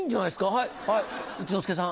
はい一之輔さん。